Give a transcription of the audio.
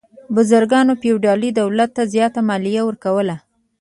بزګرانو فیوډالي دولت ته زیاته مالیه ورکوله.